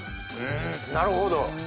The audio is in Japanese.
なるほど。